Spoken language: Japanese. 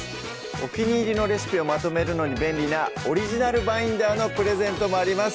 お気に入りのレシピをまとめるのに便利なオリジナルバインダーのプレゼントもあります